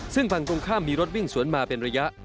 ซึ่งฝั่งตรงข้ามมีรถวิ่งสวนมาเป็นระยะ